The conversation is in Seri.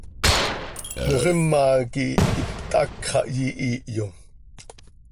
Moxima quih hpthác xah yihiihyo.